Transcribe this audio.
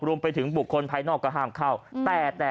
รวมไปถึงบุคคลภายนอกก็ห้ามเข้า